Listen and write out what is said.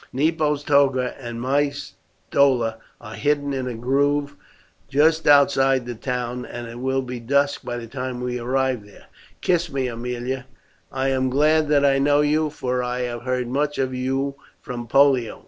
Nepo's toga and my stola are hidden in a grove just outside the town, and it will be dusk by the time we arrive there. Kiss me, Aemilia; I am glad that I know you, for I have heard much of you from Pollio.